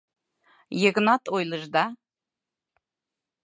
Йыгнат ойлыш да...